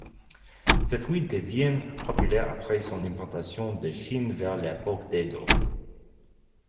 Ce fruit devint populaire après son importation de Chine vers l'époque d'Edo.